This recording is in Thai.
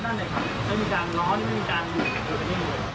ใช่ไหมครับไม่มีตาหน้านานล้างอ้านเป็นการ